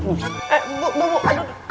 eh bu aduh